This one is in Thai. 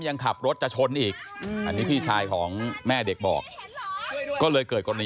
อย่าอย่าอย่าอย่าอย่าอย่าอย่าอย่าอย่าอย่าอย่าอย่าอย่า